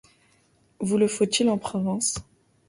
Vous le faut-il en province ?